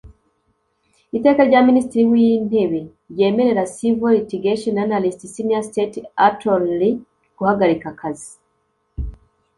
Iteka rya Minisitiri w Intebe ryemerera civil litigation analyst senior state attorney guhagarika akazi